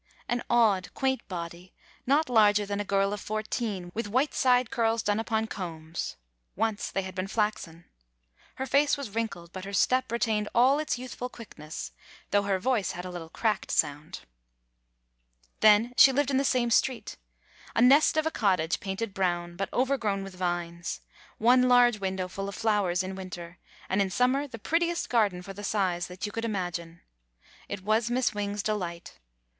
An odd, quaint body, not larger than a girl of fourteen, with white side curls done upon combs — once they had been flaxen. Her face was wrinkled, but her step retained all its youthful quickness, though her voice had a little cracked sound. Then she lived in the same street. A nest of a cottage, painted brown, but overgrown with vines; one large window full of flowers in winter, and in summer the prettiest garden for the size that you could imagine. It was Miss Wing's delight.